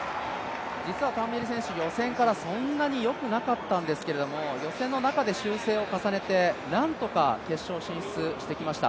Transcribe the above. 実はタンベリ選手、予選からそんなによくなかったんですけれども、予選の中で修正を重ねてなんとか決勝進出してきました。